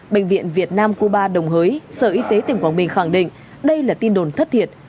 bệnh viện việt nam cuba đồng hới sở y tế tỉnh quảng bình khẳng định đây là tin đồn thất thiệt